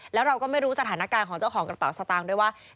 แล้วเราก็ไม่รู้สถานการณ์ของเจ้าของกระเป๋าสตางค์ด้วยว่า